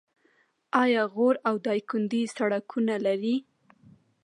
آیا غور او دایکنډي سړکونه لري؟